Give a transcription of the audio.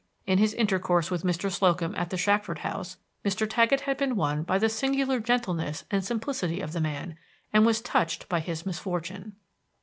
In his intercourse with Mr. Slocum at the Shackford house, Mr. Taggett had been won by the singular gentleness and simplicity of the man, and was touched by his misfortune.